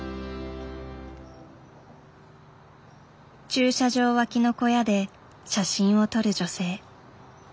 駐車場脇の小屋で写真を撮る女性。